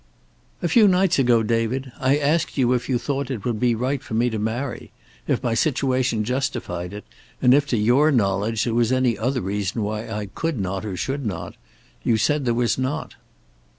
"A few nights ago, David, I asked you if you thought it would be right for me to marry; if my situation justified it, and if to your knowledge there was any other reason why I could not or should not. You said there was not."